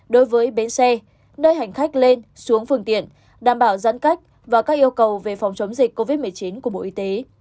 đối với bến xe nơi hành khách lên xuống phương tiện đảm bảo giãn cách và các yêu cầu về phòng chống dịch covid một mươi chín của bộ y tế